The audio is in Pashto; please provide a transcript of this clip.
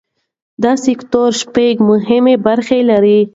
دا سکتور شپږ مهمې برخې لري.